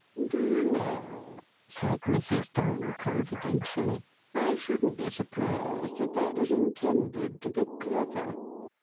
"Do you know," said Mrs. Dole, confidentially, "I shouldn't be surprised if that was intended to be clever."